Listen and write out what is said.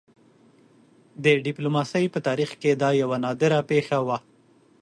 د ډيپلوماسۍ په تاریخ کې دا یوه نادره پېښه وه.